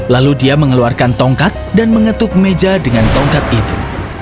lalu dia mengeluarkan tongkat dan mengetuk meja dengan tongkat itu